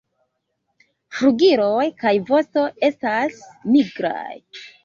Flugiloj kaj vosto estas nigraj.